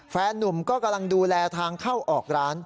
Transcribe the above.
แฟนนุ่มก็กำลังดูแลทางเข้าออกร้าน